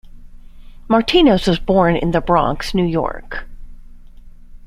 Martinez was born in the Bronx, New York.